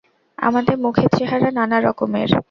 আমাদের মুখের চেহারা নানা রকমের।